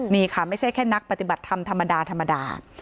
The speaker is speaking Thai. นี่ค่ะไม่ใช่แค่นักปฏิบัติธรรมธรรมดาธรรมดา